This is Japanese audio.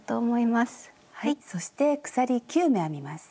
そして鎖９目編みます。